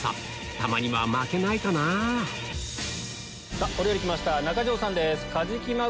たまには負けないかなぁお料理来ました中条さんです。